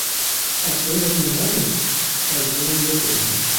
A perda de um homem? é o ganho de outro homem.